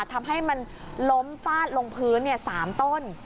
ทำให้มันล้มฟาดลงพื้น๓ต้น